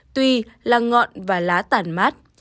tuy là ngọn và lá tàn mát